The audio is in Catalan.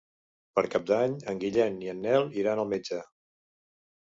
Per Cap d'Any en Guillem i en Nel iran al metge.